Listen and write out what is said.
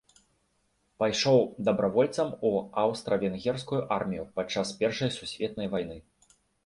Пайшоў дабравольцам у аўстра-венгерскую армію падчас першай сусветнай вайны.